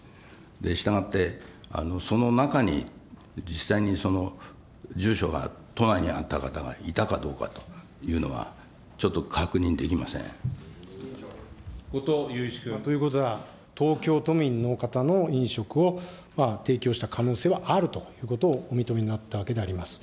したがって、その中に実際にその住所は都内にあった方がいたかどうかというの後藤祐一君。ということは、東京都民の方の飲食を提供した可能性はあるということをお認めになったわけであります。